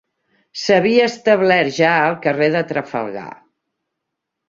S'havia establert ja al carrer de Trafalgar.